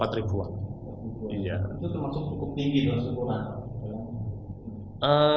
itu termasuk cukup tinggi dong jumlahnya